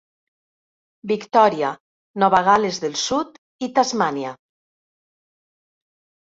Victòria, Nova Gal·les del Sud i Tasmània.